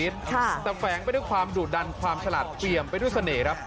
แต่แฝงไปด้วยความดุดันความฉลาดเปี่ยมไปด้วยเสน่ห์ครับ